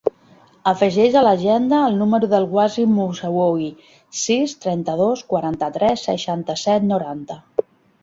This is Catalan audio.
Afegeix a l'agenda el número del Wasim Moussaoui: sis, trenta-dos, quaranta-tres, seixanta-set, noranta.